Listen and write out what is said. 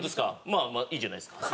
まあまあいいじゃないっすか。